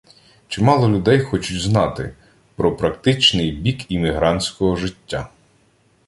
Чимало людей хочуть знати про практичний бік іммігрантського життя